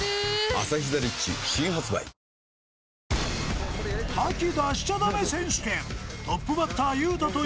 「アサヒザ・リッチ」新発売［の挑戦］